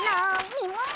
みもも